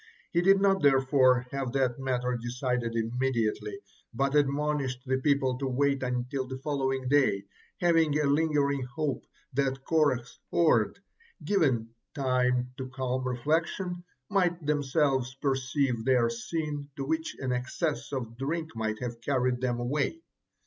He did not therefore have this matter decided immediately, but admonished the people to wait until the following day, having a lingering hope that Korah's horde, given time for calm reflection, might themselves perceive their sin to which an excess of drink might have carried them away.